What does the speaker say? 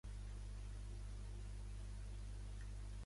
Fixa els ulls en en Quico.